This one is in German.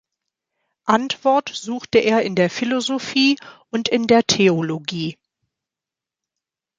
Antwort suchte er in der Philosophie und in der Theologie.